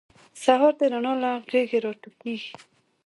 سهار د رڼا له غیږې راټوکېږي.